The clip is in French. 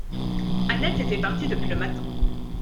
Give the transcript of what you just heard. Annette était partie depuis le matin.